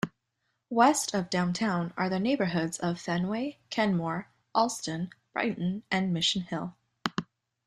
West of downtown are the neighborhoods of Fenway Kenmore, Allston, Brighton and Mission Hill.